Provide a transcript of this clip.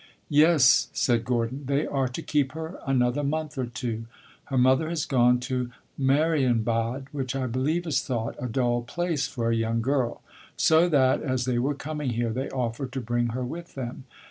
"Yes," said Gordon, "they are to keep her another month or two. Her mother has gone to Marienbad, which I believe is thought a dull place for a young girl; so that, as they were coming here, they offered to bring her with them.